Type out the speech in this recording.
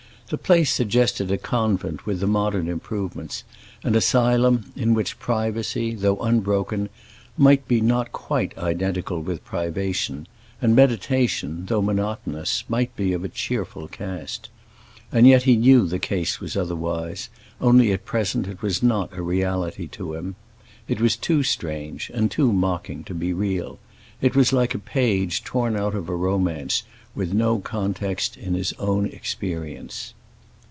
The place suggested a convent with the modern improvements—an asylum in which privacy, though unbroken, might be not quite identical with privation, and meditation, though monotonous, might be of a cheerful cast. And yet he knew the case was otherwise; only at present it was not a reality to him. It was too strange and too mocking to be real; it was like a page torn out of a romance, with no context in his own experience.